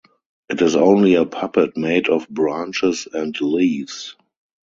It is only a puppet made of branches and leaves.